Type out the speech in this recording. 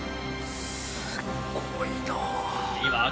すっごいな。